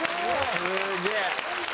すげえ。